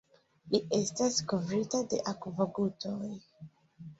Li estas kovrita de akvogutoj.